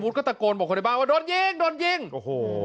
โดนยิงโดนยิงโอ้โห